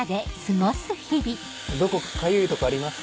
どこかかゆい所ありますか？